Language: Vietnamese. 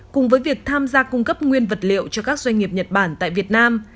cùng với việc tham gia cung cấp nguyên vật liệu cho các doanh nghiệp nhật bản tại việt nam